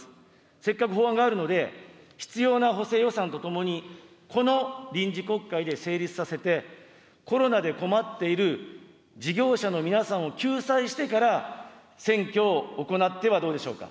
せっかく法案があるので、必要な補正予算とともに、この臨時国会で成立させて、コロナで困っている事業者の皆さんを救済してから、選挙を行ってはどうでしょうか。